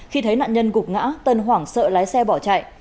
khi thấy nạn nhân gục ngã tân hoảng sợ lái xe bỏ chạy